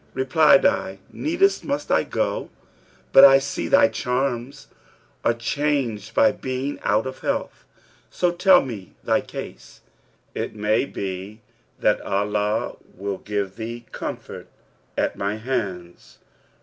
Replied I, 'Needst must I go, but I see thy charms are changed by being out of health; so tell me thy case; it may be Allah will give thee comfort at my hands.'